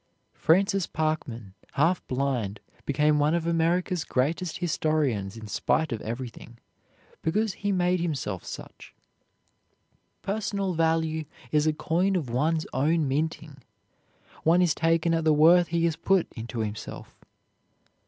Francis Parkman, half blind, became one of America's greatest historians in spite of everything, because he made himself such. Personal value is a coin of one's own minting; one is taken at the worth he has put into himself.